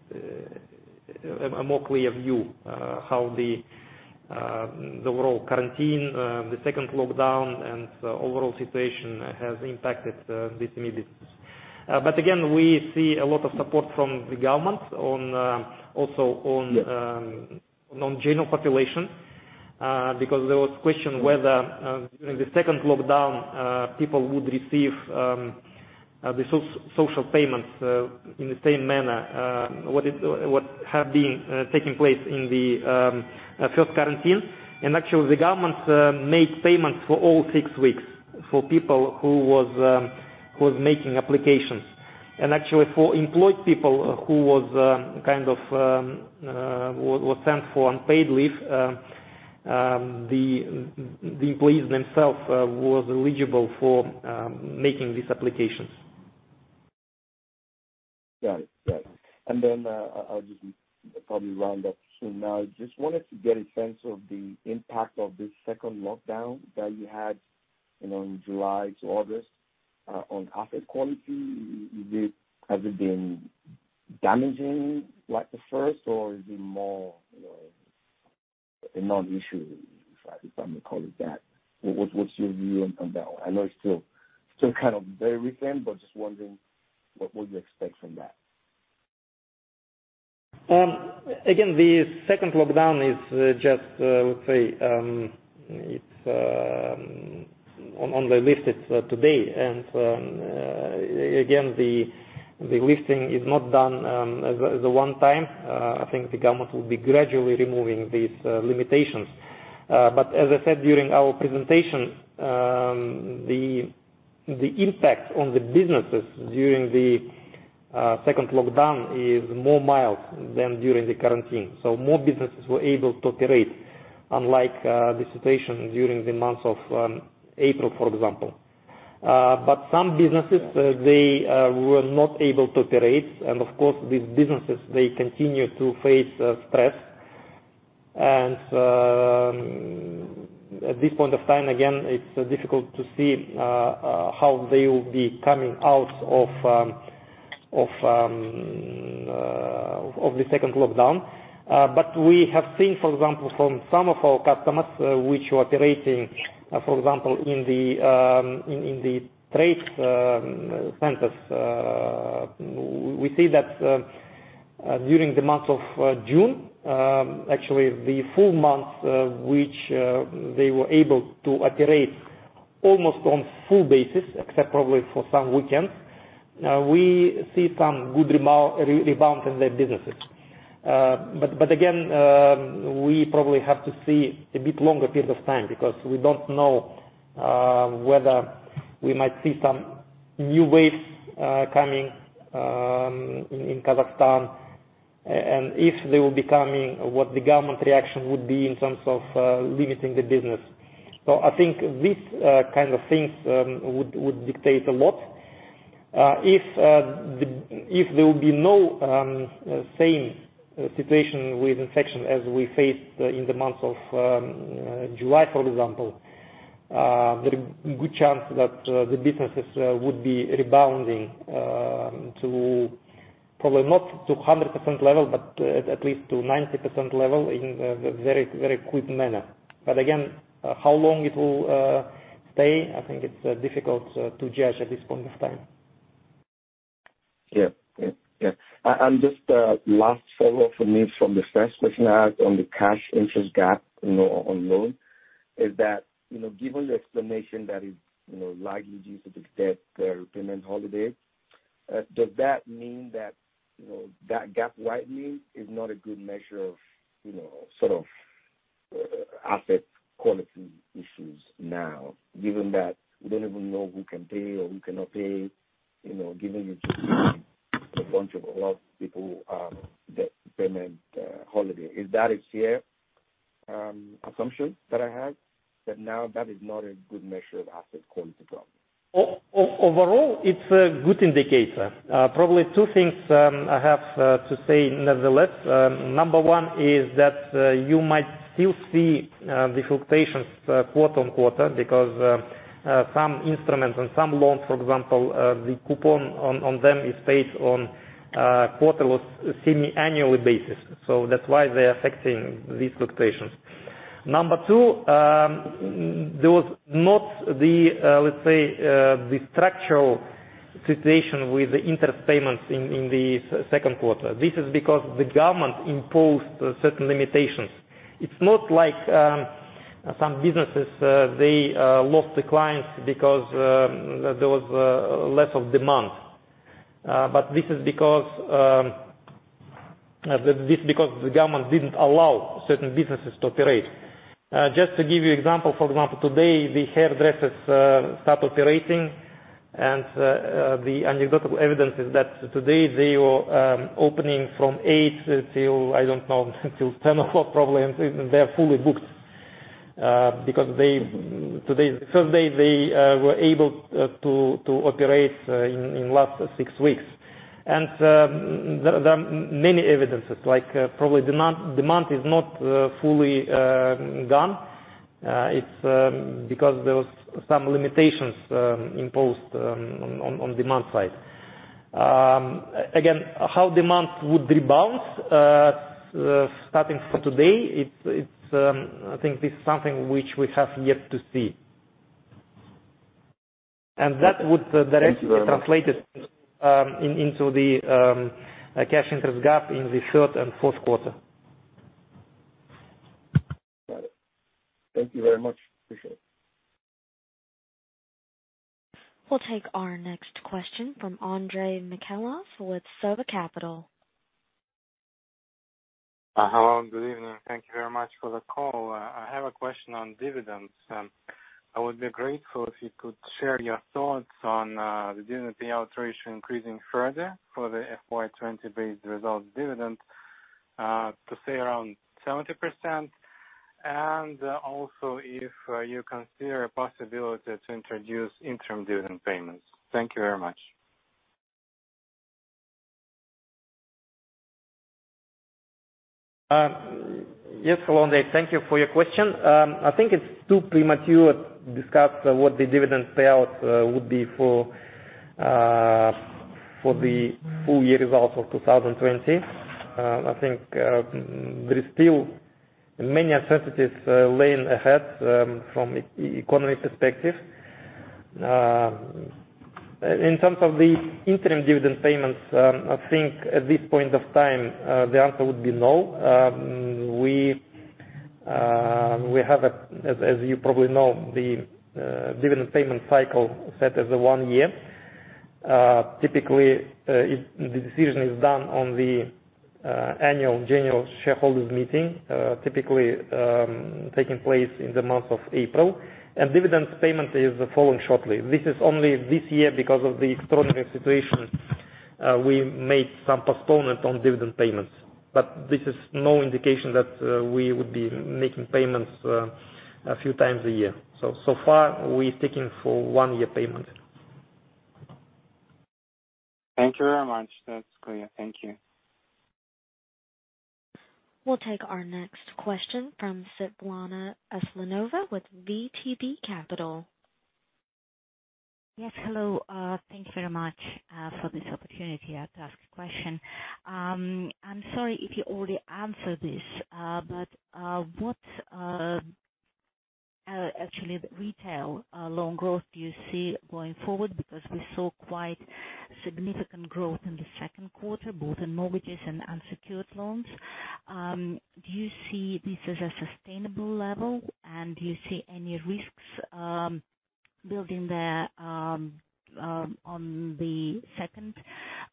a clearer view how the overall quarantine, the second lockdown, and overall situation has impacted these SME businesses. Again, we see a lot of support from the government also on general population, because there was question whether during the second lockdown people would receive the social payments in the same manner, what have been taking place in the first quarantine. Actually, the government made payments for all six weeks for people who was making applications. Actually, for employed people who was sent for unpaid leave, the employees themselves was eligible for making these applications. Got it. Then I'll just probably round up soon. I just wanted to get a sense of the impact of this second lockdown that you had in July to August on asset quality. Has it been damaging like the first, or is it more a non-issue, if I may call it that? What's your view on that one? I know it's still very recent, just wondering what you expect from that. Again, the second lockdown is just, let's say, it's on the list today. The lifting is not done as a one time. I think the government will be gradually removing these limitations. As I said during our presentation, the impact on the businesses during the second lockdown is more mild than during the quarantine. More businesses were able to operate unlike the situation during the month of April, for example. Some businesses, they were not able to operate, and of course, these businesses, they continue to face stress. At this point of time, again, it's difficult to see how they will be coming out of the second lockdown. We have seen, for example, from some of our customers which were operating, for example, in the trade centers. We see that during the month of June, actually the full month which they were able to operate almost on full basis, except probably for some weekends, we see some good rebound in their businesses. Again, we probably have to see a bit longer period of time because we don't know whether we might see some new waves coming in Kazakhstan. If they will be coming, what the government reaction would be in terms of limiting the business. I think these kind of things would dictate a lot. If there will be no same situation with infection as we faced in the month of July, for example, there are good chance that the businesses would be rebounding to probably not to 100% level, but at least to 90% level in a very quick manner. Again, how long it will stay, I think it's difficult to judge at this point of time. Yeah. Just last follow-up from me from the first question I asked on the cash interest gap on loan is that, given the explanation that is likely due to the debt repayment holiday, does that mean that gap widening is not a good measure of asset quality issues now, given that we don't even know who can pay or who cannot pay, given you just gave a bunch of a lot people debt payment holiday. Is that a fair assumption that I have, that now that is not a good measure of asset quality problem? Overall, it's a good indicator. Probably two things I have to say nevertheless. Number one is that you might still see the fluctuations quarter-on-quarter because some instruments on some loans, for example, the coupon on them is paid on a quarterly or semi-annual basis. That's why they're affecting these fluctuations. Number two, there was not the, let's say, the structural situation with the interest payments in the second quarter. This is because the government imposed certain limitations. It's not like some businesses they lost the clients because there was less of demand. This is because the government didn't allow certain businesses to operate. Just to give you example, for example, today the hairdressers start operating and the anecdotal evidence is that today they were opening from 8:00 till, I don't know, till 10:00 probably, and they are fully booked. Today is the first day they were able to operate in last six weeks. There are many evidences, like probably demand is not fully gone. It's because there was some limitations imposed on demand side. How demand would rebound starting from today, I think this is something which we have yet to see. That would directly be translated into the cash interest gap in the third and fourth quarter. Got it. Thank you very much. Appreciate it. We'll take our next question from Andrei Mikhailov with Sova Capital. Hello, good evening. Thank you very much for the call. I have a question on dividends. I would be grateful if you could share your thoughts on the dividend payout ratio increasing further for the FY 2020 base result dividend to stay around 70%, and also if you consider a possibility to introduce interim dividend payments. Thank you very much. Yes, hello Andrei. Thank you for your question. I think it's too premature to discuss what the dividend payout would be for the full year results of 2020. I think there is still many uncertainties lying ahead from economy perspective. In terms of the interim dividend payments, I think at this point of time, the answer would be no. We have, as you probably know, the dividend payment cycle set as one year. Typically, the decision is done on the annual general shareholders meeting, typically taking place in the month of April, and dividends payment is following shortly. This is only this year because of the extraordinary situation, we made some postponement on dividend payments. This is no indication that we would be making payments a few times a year. So far we're sticking for one year payment. Thank you very much. That's clear. Thank you. We'll take our next question from Svetlana Aslanova with VTB Capital. Yes, hello. Thank you very much for this opportunity to ask a question. I'm sorry if you already answered this, what actually retail loan growth do you see going forward? We saw quite significant growth in the second quarter, both in mortgages and unsecured loans. Do you see this as a sustainable level, and do you see any risks building there on the second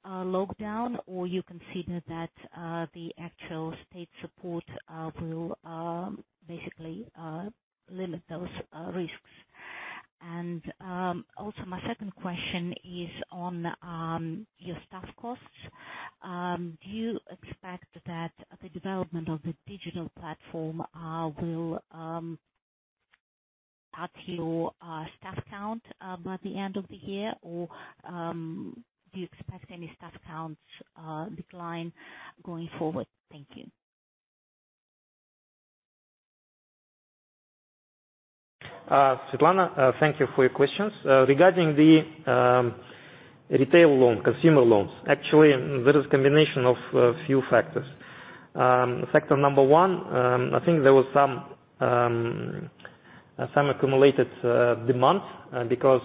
lockdown or you consider that the actual state support will basically limit those risks? Also my second question is on your staff costs. Do you expect that the development of the digital platform will cut your staff count by the end of the year, or do you expect any staff counts decline going forward? Thank you. Svetlana, thank you for your questions. Regarding the retail loan, consumer loans, actually, there is combination of a few factors. Factor number one, I think there was some accumulated demand because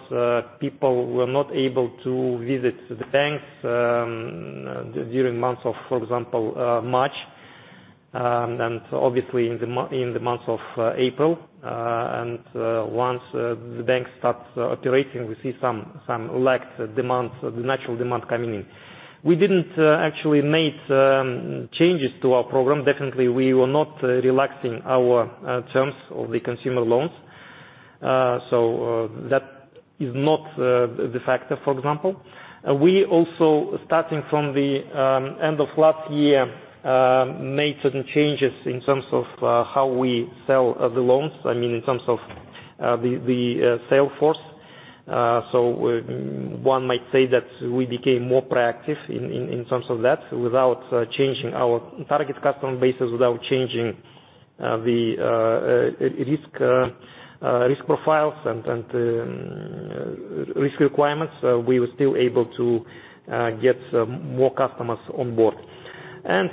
people were not able to visit the banks during months of, for example, March, and obviously in the month of April. Once the bank starts operating, we see some lagged demand, the natural demand coming in. We didn't actually make changes to our program. Definitely, we were not relaxing our terms of the consumer loans. That is not the factor, for example. We also, starting from the end of last year, made certain changes in terms of how we sell the loans, in terms of the sales force. One might say that we became more proactive in terms of that without changing our target customer bases, without changing the risk profiles and risk requirements. We were still able to get more customers on board.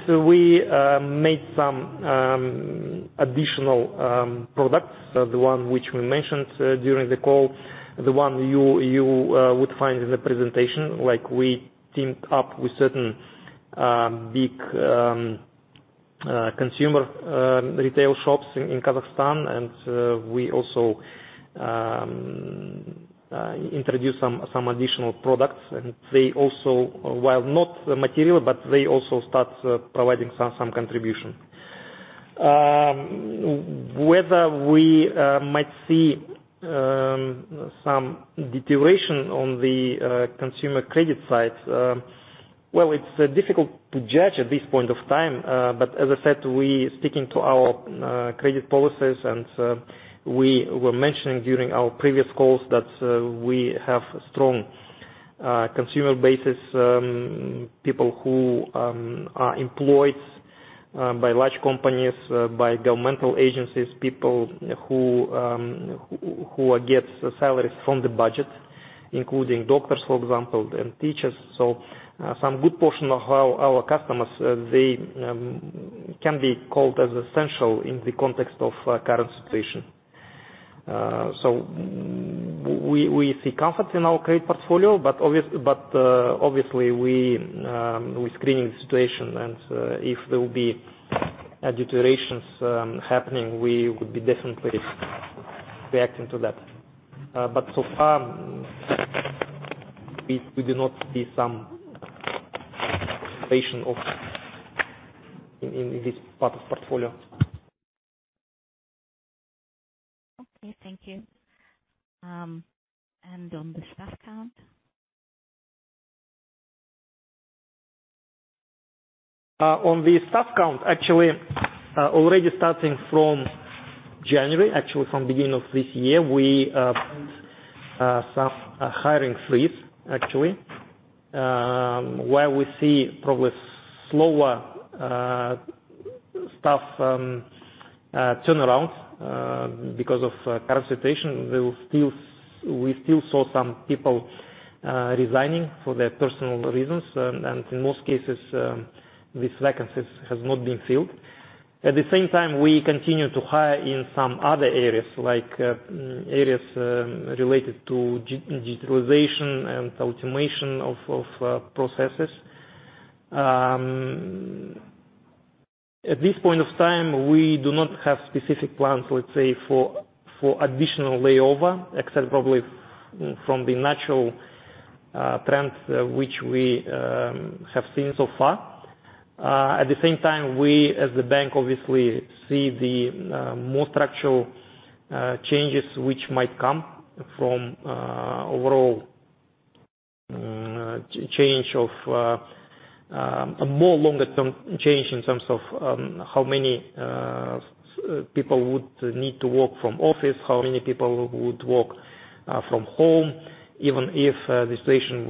We made some additional products, the one which we mentioned during the call, the one you would find in the presentation. We teamed up with certain big consumer retail shops in Kazakhstan and we also introduced some additional products, and while not material, but they also start providing some contribution. Whether we might see some deterioration on the consumer credit side, well, it's difficult to judge at this point of time. As I said, we sticking to our credit policies, and we were mentioning during our previous calls that we have strong consumer basis, people who are employed by large companies, by governmental agencies, people who gets salaries from the budget, including doctors, for example, and teachers. Some good portion of our customers, they can be called as essential in the context of current situation. We see comfort in our credit portfolio. Obviously, we screen the situation. If there will be deterioration happening, we would be definitely reacting to that. So far, we do not see some tension in this part of portfolio. Okay, thank you. On the staff count? On the staff count, actually, already starting from January, actually from beginning of this year, we found some hiring freeze, actually where we see probably slower staff turnaround because of current situation. We still saw some people resigning for their personal reasons, and in most cases, these vacancies has not been filled. At the same time, we continue to hire in some other areas, like areas related to digitalization and automation of processes. At this point of time, we do not have specific plans, let's say, for additional layoffs, except probably from the natural trends which we have seen so far. At the same time, we as the bank obviously see the more structural changes which might come from overall change of a more longer term change in terms of how many people would need to work from office, how many people would work from home, even if the situation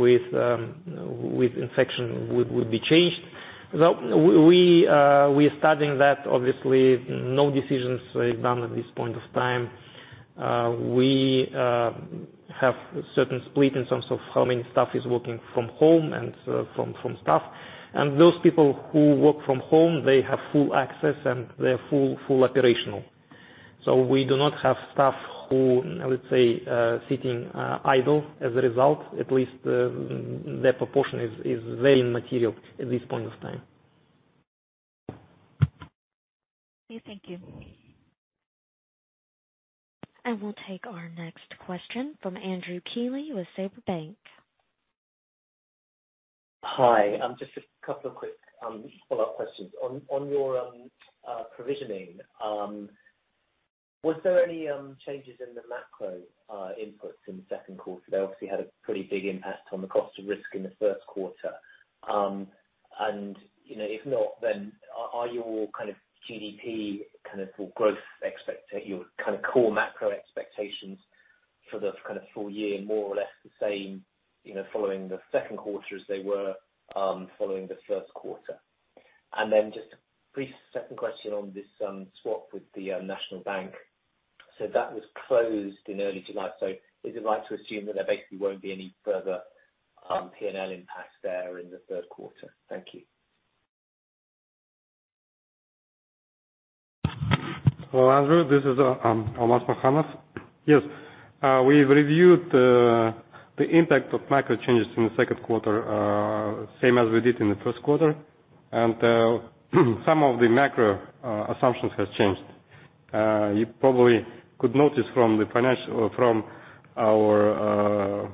with infection would be changed. We're studying that. Obviously, no decisions done at this point of time. We have certain split in terms of how many staff is working from home and from staff. Those people who work from home, they have full access, and they're full operational. We do not have staff who, let's say, sitting idle as a result. At least their proportion is very immaterial at this point of time. Okay, thank you. We'll take our next question from Andrew Keeley with Sberbank. Hi. Just a couple of quick follow-up questions. On your provisioning, was there any changes in the macro inputs in the second quarter? They obviously had a pretty big impact on the cost of risk in the first quarter. If not, then are your GDP growth, your core macro expectations for the full year more or less the same following the second quarter as they were following the first quarter? Then just a brief second question on this swap with the National Bank. That was closed in early July. Is it right to assume that there basically won't be any further P&L impact there in the third quarter? Thank you. Hello, Andrew. This is Almas Makhanov. Yes. We've reviewed the impact of macro changes in the second quarter same as we did in the first quarter. Some of the macro assumptions has changed. You probably could notice from our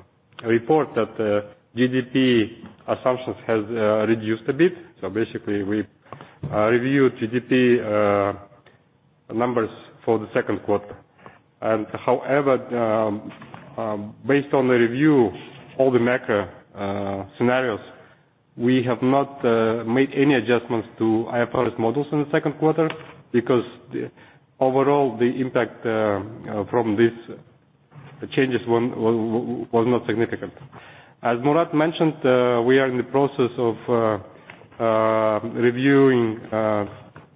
report that GDP assumptions has reduced a bit. Basically, we reviewed GDP numbers for the second quarter. However, based on the review of all the macro scenarios, we have not made any adjustments to IFRS models in the second quarter because overall, the impact from these changes was not significant. As Murat mentioned, we are in the process of reviewing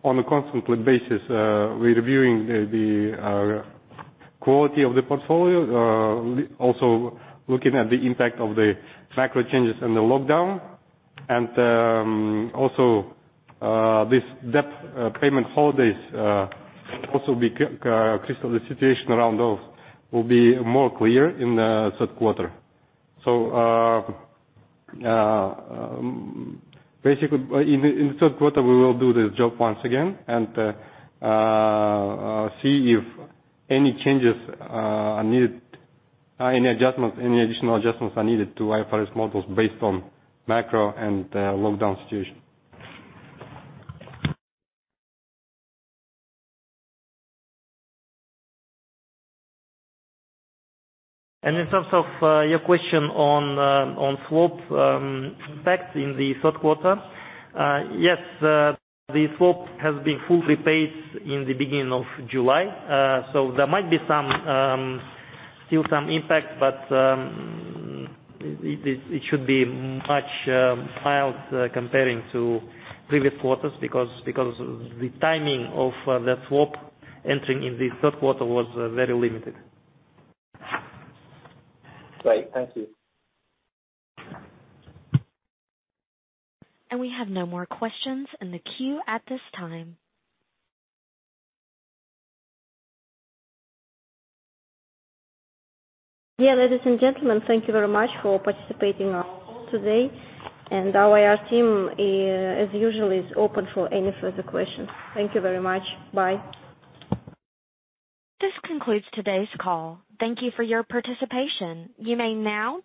on a constant basis the quality of the portfolio, also looking at the impact of the macro changes and the lockdown. Also this debt payment holidays also the situation around those will be more clear in the third quarter. Basically, in the third quarter, we will do this job once again and see if any changes are needed, any additional adjustments are needed to IFRS models based on macro and lockdown situation. In terms of your question on swap impact in the third quarter, yes, the swap has been fully paid in the beginning of July. There might be still some impact, but it should be much mild comparing to previous quarters because the timing of the swap entering in the third quarter was very limited. Great. Thank you. We have no more questions in the queue at this time. Yeah, ladies and gentlemen, thank you very much for participating on our call today. Our IR team, as usual, is open for any further questions. Thank you very much. Bye. This concludes today's call. Thank you for your participation. You may now disconnect your lines.